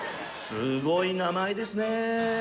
すごい名前ですね。